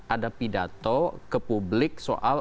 ada pidato ke publik soal